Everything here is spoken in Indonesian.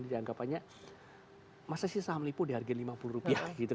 dia anggapannya masa sih saham lipo dihargai lima puluh rupiah gitu